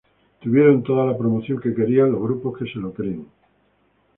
tuvieron toda la promoción que querrían los grupos que se lo creen